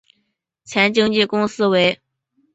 前经纪公司为。